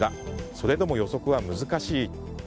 それでも予測は難しい？